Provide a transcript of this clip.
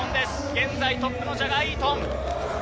現在トップのジャガー・イートン。